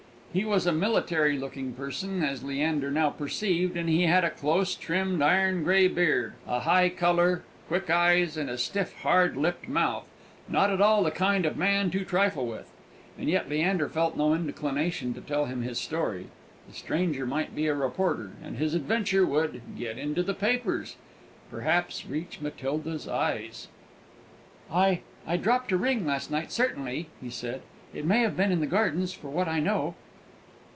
He was a military looking person, as Leander now perceived, and he had a close trimmed iron grey beard, a high colour, quick eyes, and a stiff hard lipped mouth not at all the kind of man to trifle with. And yet Leander felt no inclination to tell him his story; the stranger might be a reporter, and his adventure would "get into the papers" perhaps reach Matilda's eyes. "I I dropped a ring last night, certainly," he said; "it may have been in the gardens, for what I know."